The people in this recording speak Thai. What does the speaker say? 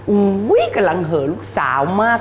อุ๊ยกำลังเหลือลูกสาวมาก